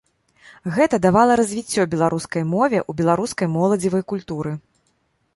Гэта давала развіццё беларускай мове ў беларускай моладзевай культуры.